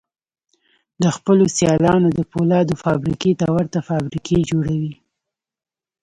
د خپلو سيالانو د پولادو فابريکو ته ورته فابريکې جوړوي.